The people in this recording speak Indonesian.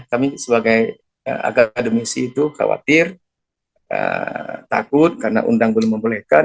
kami sebagai akademisi itu khawatir takut karena undang belum membolehkan